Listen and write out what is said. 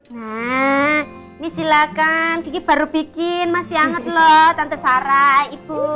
nah disilakan kiki baru bikin masih anget loh tante sarah ibu